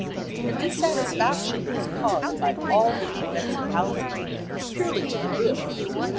The dissatisfaction that is caused by all the defects of housing is purely to the good.